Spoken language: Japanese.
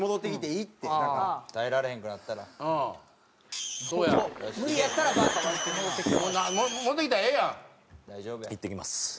いってきます。